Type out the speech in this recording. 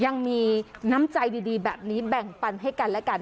ยังมีน้ำใจดีแบบนี้แบ่งปันให้กันและกัน